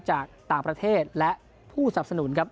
จากต่างประเทศและผู้สับสนุนครับ